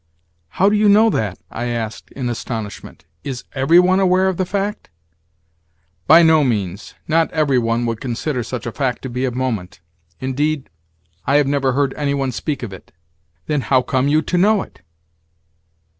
"How do you know that?" I asked in astonishment. "Is every one aware of the fact?" "By no means. Not every one would consider such a fact to be of moment. Indeed, I have never heard any one speak of it." "Then how come you to know it?"